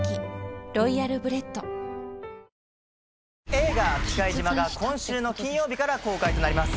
映画『忌怪島』が今週の金曜日から公開となります。